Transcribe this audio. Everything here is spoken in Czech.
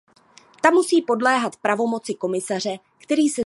Ta musí podléhat pravomoci komisaře, který se zabývá těmito problémy.